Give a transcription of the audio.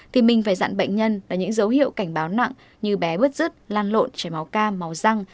thì mình phải dặn bệnh nhân là những dấu hiệu cảnh báo nặng như bé bứt rứt lan lộn trẻ máu ca máu răng